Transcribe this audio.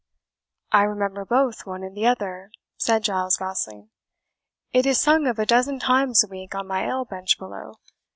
"I remember both one and the other," said Giles Gosling; "it is sung of a dozen times a week on my ale bench below.